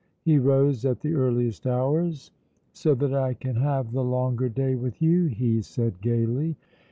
He rose at the earliest hours. "So that I can have the longer day with you," he said gaily.